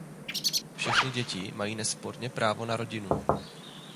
Všechny děti mají nesporně právo na rodinu.